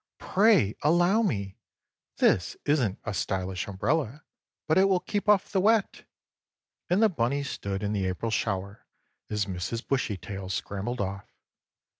"Pray allow me! This isn't a stylish umbrella, but it will keep off the wet." And the bunny stood in the April shower as Mrs. Bushytail scrambled off.